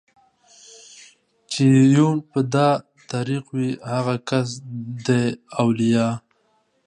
چې يې يون په دا طريق وي هغه کس دئ اوليا